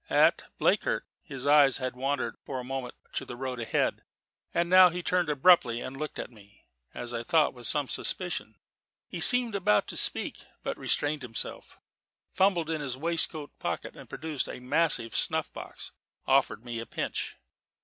"At Bleakirk." His eyes had wandered for a moment to the road ahead; but now he turned abruptly, and looked at me, as I thought, with some suspicion. He seemed about to speak, but restrained himself, fumbled in his waistcoat pocket, and producing a massive snuff box, offered me a pinch.